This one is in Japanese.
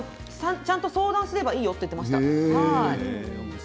ちゃんと相談すればいいよって言っていました。